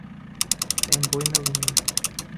Tem boi na linha